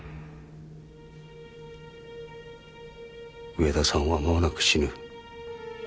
上田さんは間もなく死ぬ。